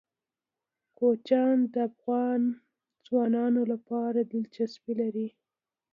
کوچیان د افغان ځوانانو لپاره دلچسپي لري.